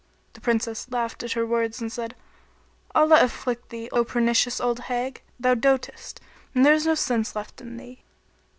The Princess laughed at her words and said, "Allah afflict thee, O pernicious old hag! Thou dotest and there is no sense left in thee."